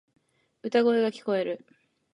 歌声が聞こえる。